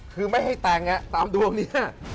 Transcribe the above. คือไม่ให้แต่งตามดวงนี้